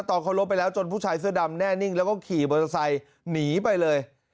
ตอนเขาลบไปแล้วจนผู้ชายเสื้อดำแน่นิ่งแล้วก็ขี่มอเตอร์ไซค์หนีไปเลย